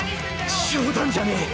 冗談じゃねぇ。